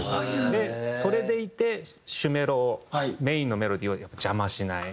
でそれでいて主メロをメインのメロディーを邪魔しない。